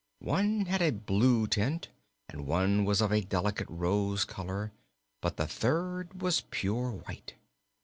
One had a blue tint and one was of a delicate rose color, but the third was pure white.